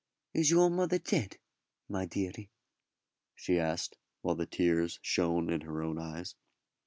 "Is your mother dead, my deary?" she asked, while the tears shone in her own eyes.